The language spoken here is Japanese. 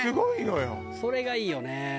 それがいいよね。